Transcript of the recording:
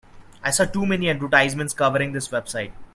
I saw too many advertisements covering this website.